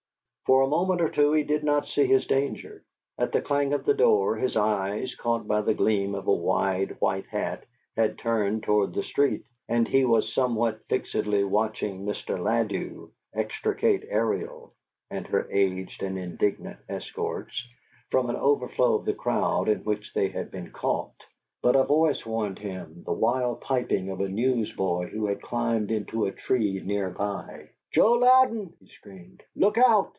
For a moment or two he did not see his danger. At the clang of the door, his eyes, caught by the gleam of a wide white hat, had turned toward the street, and he was somewhat fixedly watching Mr. Ladew extricate Ariel (and her aged and indignant escorts) from an overflow of the crowd in which they had been caught. But a voice warned him: the wild piping of a newsboy who had climbed into a tree near by. "JOE LOUDEN!" he screamed. "LOOK OUT!"